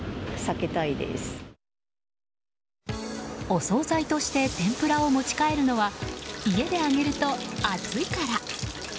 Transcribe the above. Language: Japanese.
お総菜として天ぷらを持ち帰るのは家で揚げると暑いから。